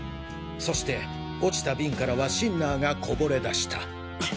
そして落ちたビンからはシンナーがこぼれ出した。